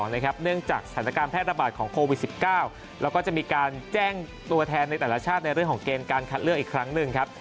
เนื่องจากสถานการณ์แพร่ระบาดของโควิด๑๙แล้วก็จะมีการแจ้งตัวแทนในแต่ละชาติในเรื่องของเกณฑ์การคัดเลือกอีกครั้งหนึ่งครับ